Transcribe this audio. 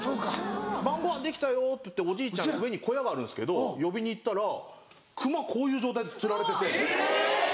「晩ご飯できたよ」っておじいちゃん上に小屋があるんですけど呼びに行ったら熊こういう状態でつられてて。